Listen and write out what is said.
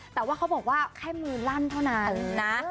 แต่ว่าเขาบอกว่าแค่มือลั่นเท่านั้นนะ